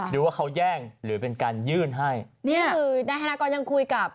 ดูว่าเขาแย่งหรือเป็นการยื่นให้นี่คือนายธนากรยังคุยกับ